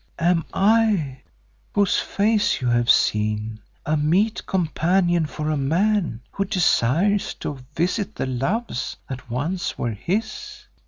Am I, whose face you have seen, a meet companion for a man who desires to visit the loves that once were his?